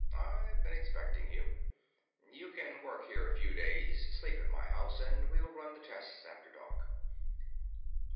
"I've been expecting you. You can work here a few days, sleep at my house, and we'll run the tests after dark."